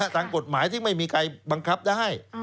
ทางกฎหมายที่ไม่มีใครบังคับได้